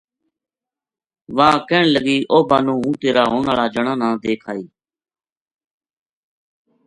وَہ کہن لگی اوہ بانو ہوں تیرا ہون ہالا جنا نا دیکھ آئی